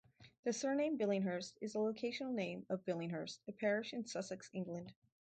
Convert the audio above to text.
The surname Billinghurst is a locational name 'of Billinghurst' a parish in Sussex, England.